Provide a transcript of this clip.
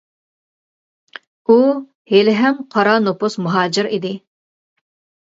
ئۇ ھېلىھەم «قارا نوپۇس مۇھاجىر» ئىدى.